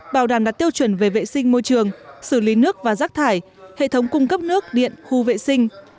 bảo đảm đặt tiêu chuẩn về vệ sinh môi trường xử lý nước và rác thải hệ thống cung cấp nước điện khu vệ sinh